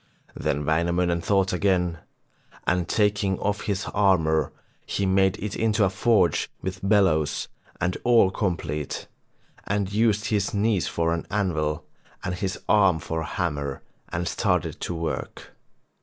Then Wainamoinen thought again, and taking off his armour he made it into a forge with bellows and all complete, and used his knees for an anvil and his arm for a hammer, and started to work.